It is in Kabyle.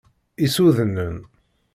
Issudnen!